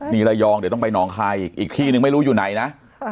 นี่ระยองเดี๋ยวต้องไปหนองคายอีกอีกที่นึงไม่รู้อยู่ไหนนะ